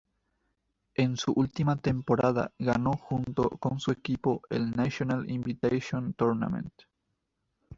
En su última temporada ganó junto con su equipo el National Invitation Tournament.